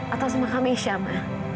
atau sama kami isya ma